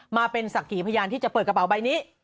มาเป็นสักขีพยานที่จะเปิดกระเป๋าใบนี้